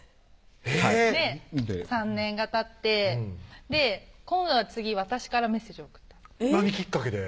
えぇっ３年がたって今度は次私からメッセージを送った何きっかけで？